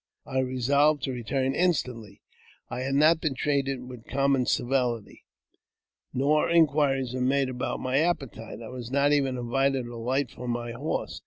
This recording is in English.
I resolved to return instantly. I had not been treated with common civility ; no inquiries had been made about my appetite ; I was not even invited to alight from my horse.